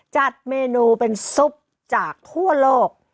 จัดเมนูเป็นซุปจากทั่วโลก